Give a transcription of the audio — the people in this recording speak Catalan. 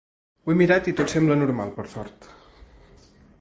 Ho he mirat i tot sembla normal per sort.